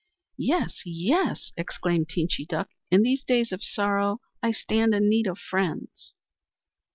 "Yes, yes!" exclaimed Teenchy Duck. "In these days of sorrow I stand in need of friends."